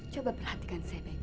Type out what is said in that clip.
coba perhatikan saya baik baik